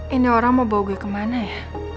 ini orang mau bawa gue kemana ya